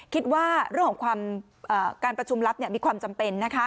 คิดว่าเรื่องของการประชุมลับมีความจำเป็นนะคะ